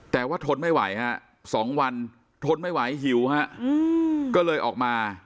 แต่ว่าทนไม่ไหวฮะ๒วันทนไม่ไหวหิวฮะก็เลยออกมา